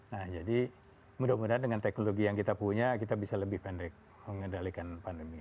nah jadi mudah mudahan dengan teknologi yang kita punya kita bisa lebih pendek mengendalikan pandemi